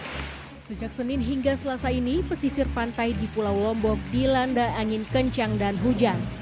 hai sejak senin hingga selasa ini pesisir pantai di pulau lombok dilanda angin kencang dan hujan